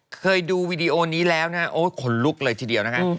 เคยดูวีดีโอนี้แล้วนะฮะโอ้ยขนลุกเลยทีเดียวนะคะ